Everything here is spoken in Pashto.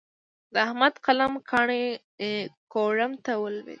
د احمد قلم کاڼی کوړم ته ولوېد.